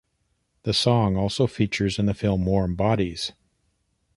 The song also features in the film "Warm Bodies".